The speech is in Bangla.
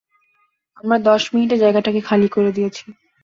আমরা দশ মিনিটে জায়গাটা খালি করে দিয়েছি।